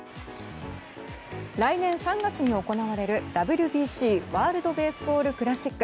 来年３月に行われるＷＢＣ・ワールド・ベースボール・クラシック。